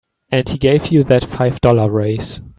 And he gave you that five dollar raise.